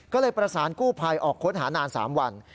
ก็เลยประสานกู้ภัยออกค้นหานาน๓วัน